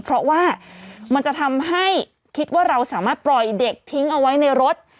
เพราะว่ามันจะทำให้คิดว่าเราสามารถปล่อยเด็กทิ้งเอาไว้ในรถ